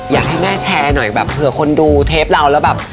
อยากให้แม่แชร์หน่อยแบบเผื่อคนดูเทปเราแล้วแบบ